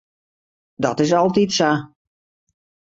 Dat is altyd sa.